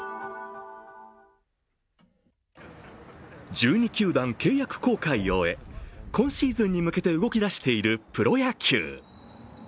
１２球団契約更改を終え、今シーズンに向けて動き出しているプロ野球。